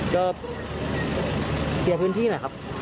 ก็เคลียร์พื้นที่หน่อยครับ